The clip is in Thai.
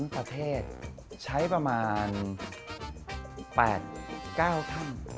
๓ประเทศใช้ประมาณ๘๙ครั้ง